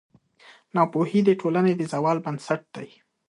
ناپوهي د ټولنې د زوال بنسټ دی.